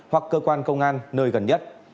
hoặc cơ quan công an nơi gần nhất